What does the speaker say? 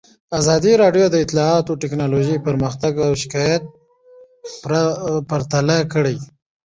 ازادي راډیو د اطلاعاتی تکنالوژي پرمختګ او شاتګ پرتله کړی.